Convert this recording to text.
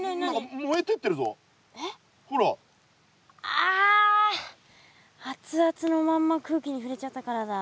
アツアツのまんま空気に触れちゃったからだ。